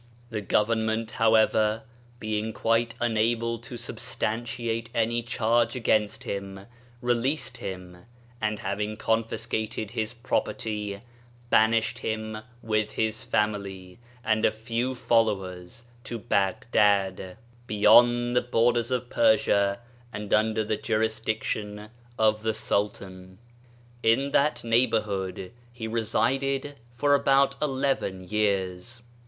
The Government, however, being quite unable to substantiate any charge against him, released him, and having confiscated his property, ban ished him with his family and a few followers to Baghdad, beyond the borders of Persia and under the jurisdiction of the Sultan. In that neighbourhood he resided for about eleven years.